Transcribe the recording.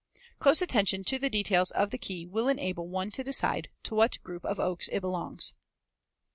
Close attention to the details of the key will enable one to decide to what group of oaks it belongs.